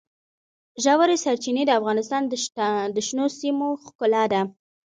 ژورې سرچینې د افغانستان د شنو سیمو ښکلا ده.